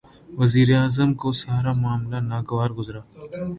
وزیر اعظم کو سارا معاملہ ناگوار گزرا۔